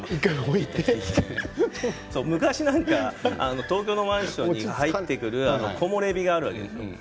昔、東京のマンションに入ってくる木漏れ日があるわけですよ。